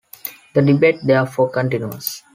The debate therefore continues.